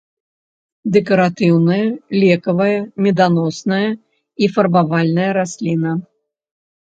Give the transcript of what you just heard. Дэкаратыўная, лекавая, меданосная і фарбавальная расліна.